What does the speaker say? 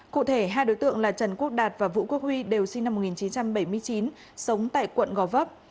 cụ thể hai đối tượng là trần quốc đạt và vũ quốc huy đều sinh năm một nghìn chín trăm bảy mươi chín sống tại quận gò vấp